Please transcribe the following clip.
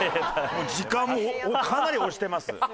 もう時間もかなり押してます。